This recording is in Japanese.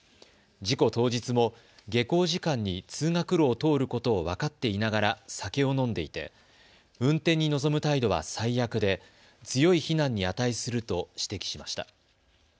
事故当日も下校時間に通学路を通ることを分かっていながら酒を飲んでいて運転に臨む態度は最悪で強い非難に値すると指摘しました。